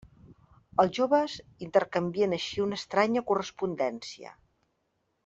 Els joves intercanvien així una estranya correspondència.